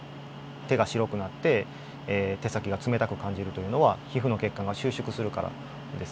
手が白くなって手先が冷たく感じるというのは皮膚の血管が収縮するからですね。